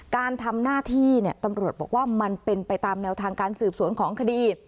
การทำหน้าที่ตำรวจบอกว่ามันเป็นไปตามแนวทางการสืบสวนของคดี